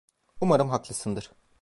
Umarım haklısındır.